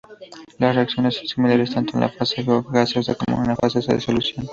Las reacciones son similares tanto en fase gaseosa como en fase de solución.